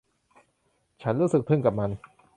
ฉันรู้สึกทึ่งกับมัน